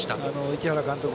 市原監督